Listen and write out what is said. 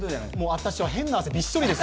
私、変な汗びっしょりです。